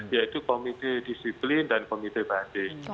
yaitu komite disiplin dan komite banding